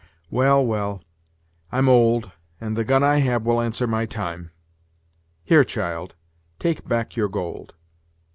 Well, well I'm old, and the gun I have will answer my time. Here, child, take back your gold.